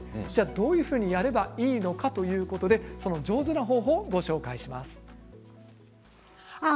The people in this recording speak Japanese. どういうふうにやればいいのか上手にやる方法をご紹介します。